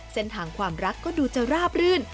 เส้นทางความรักก็ดูจะราบรื่น